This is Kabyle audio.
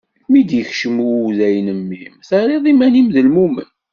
Mi d-ikcem uday n mmi-m, terriḍ iman-im d lmumen.